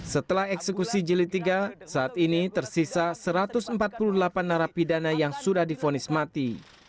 setelah eksekusi jilid tiga saat ini tersisa satu ratus empat puluh delapan narapidana yang sudah difonis mati